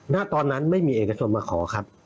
ณตอนนั้นไม่มีเอกชนมาขอครับ